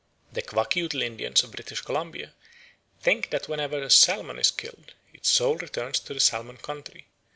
The Kwakiutl Indians of British Columbia think that when a salmon is killed its soul returns to the salmon country.